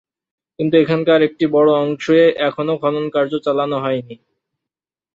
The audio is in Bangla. কিন্তু এখানকার একটি বড়ো অংশে এখনও খননকার্য চালানো হয়নি।